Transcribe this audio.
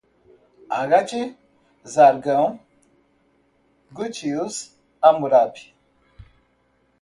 Ágade, Sargão, gútios, Hamurábi